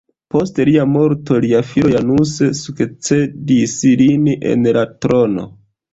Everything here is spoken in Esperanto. Post lia morto, lia filo Janus sukcedis lin en la trono.